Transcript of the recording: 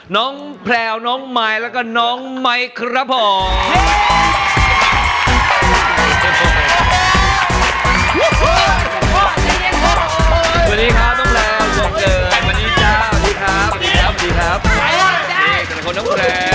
น้องแพลวน้องมายแล้วก็น้องไมค์ครับผม